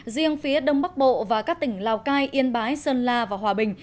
riêng phía đông bắc bộ và các tỉnh lào cai yên bái sơn la và hòa bình